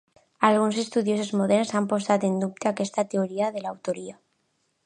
Alguns estudiosos moderns han posat en dubte aquesta teoria de l'autoria.